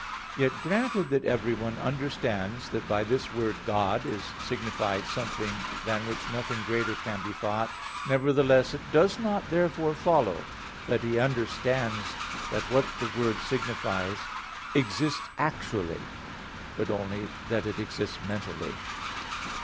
Yet, granted that everyone understands that by this word "God" is signified something than which nothing greater can be thought, nevertheless, it does not therefore follow that he understands that what the word signifies exists actually, but only that it exists mentally.